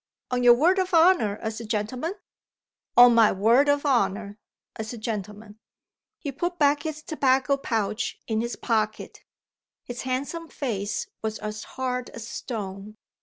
"On your word of honor, as a gentleman?" "On my word of honor, as a gentleman." He put back his tobacco pouch in his pocket. His handsome face was as hard as stone.